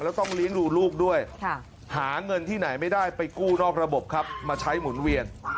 แล้วต้องเลี้ยงดูลูกด้วยหาเงินที่ไหนไม่ได้ไปกู้นอกระบบครับมาใช้หมุนเวียน